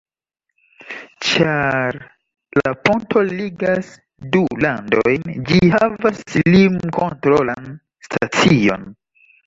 Ĉar la ponto ligas du landojn, ĝi havas lim-kontrolan stacion.